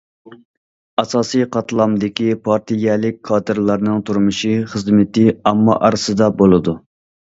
ئاساسىي قاتلامدىكى پارتىيەلىك كادىرلارنىڭ تۇرمۇشى، خىزمىتى ئامما ئارىسىدا بولىدۇ.